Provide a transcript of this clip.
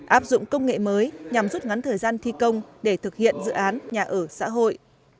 áp dụng công nghệ mới nhằm rút ngắn thời gian thi công để thực hiện dự án nhà ở xã hội